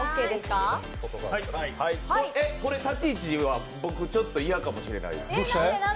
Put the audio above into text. これ立ち位置は僕ちょっと嫌かもしれない。